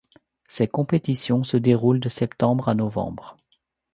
Ces compétitions se déroulent de septembre à novembre.